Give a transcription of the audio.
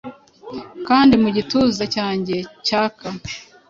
Kandi mu gituza cyanjye cyaka?